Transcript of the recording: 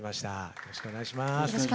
よろしくお願いします。